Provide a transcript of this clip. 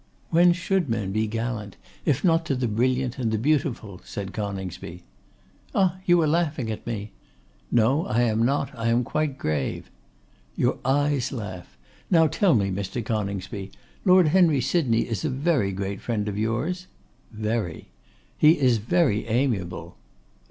'When should men be gallant, if not to the brilliant and the beautiful!' said Coningsby. 'Ah! you are laughing at me.' 'No, I am not. I am quite grave.' 'Your eyes laugh. Now tell me, Mr. Coningsby, Lord Henry Sydney is a very great friend of yours?' 'Very.' 'He is very amiable.